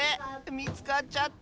みつかっちゃった！